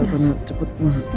karena cepet banget